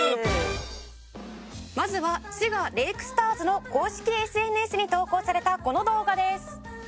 「まずは滋賀レイクスターズの公式ＳＮＳに投稿されたこの動画です」